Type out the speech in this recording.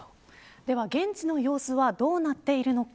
現地の様子はどうなっているのか。